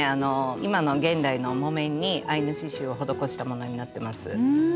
今の現代の木綿にアイヌ刺しゅうを施したものになってます。